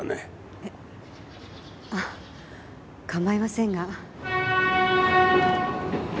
えっああ構いませんが。